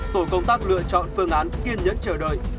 tổ công tác lựa chọn phương án kiên nhẫn chờ đợi